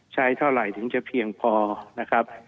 เท่าไหร่ถึงจะเพียงพอนะครับ